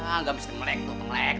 enggak mesti melek tuh